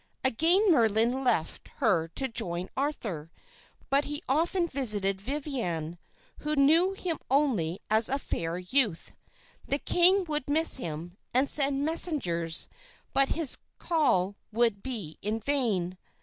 "Again Merlin left her to join Arthur; but he often visited Viviane, who knew him only as a fair youth. The king would miss him, and send messengers; but his call would be in vain.